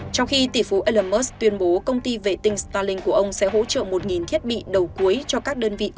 trong khi tỷ phú elon musk tuyên bố công ty vệ tinh starlink của ông sẽ hỗ trợ một thiết bị đầu cuối